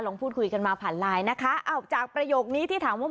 พูดคุยกันมาผ่านไลน์นะคะอ้าวจากประโยคนี้ที่ถามว่า